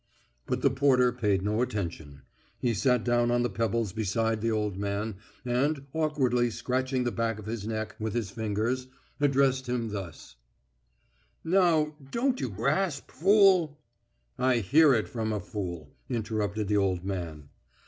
But the porter paid no attention. He sat down on the pebbles beside the old man, and, awkwardly scratching the back of his neck with his fingers, addressed him thus: "Now, don't you grasp, fool?..." "I hear it from a fool," interrupted the old man.